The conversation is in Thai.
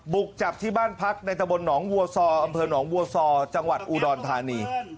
บุกจับที่บ้านพักในตะบนหนองวัวซออำเภอหนองบัวซอจังหวัดอุดรธานี